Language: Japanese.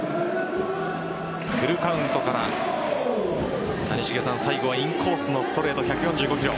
フルカウントから谷繁さん最後はインコースのストレート１４５キロ。